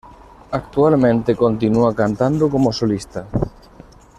Actualmente continúa cantando como solista.